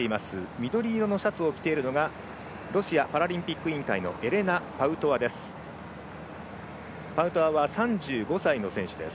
緑色のシャツを着ているのがロシアパラリンピック委員会のエレナ・パウトワです。